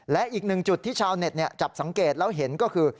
และอีกหนึ่งจุดที่ชาวเน็ตจับสังเกตแล้วเห็นก็คือ